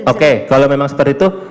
oke kalau memang seperti itu